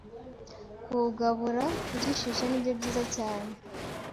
Kuwugabura ugishyushye nibyo byiza cyane.